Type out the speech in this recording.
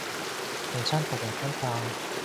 괜찮다 괜찮다.